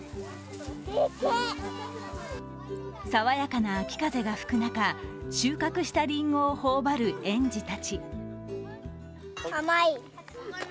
さわかやな秋風が吹く中、収穫したりんごを頬張る園児たち。